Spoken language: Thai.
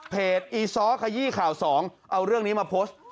เพจอีซ้อคยี่ข่าว๒เอาเรื่องนี้มาโพสต์